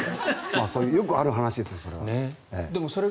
よくある話ですよそれは。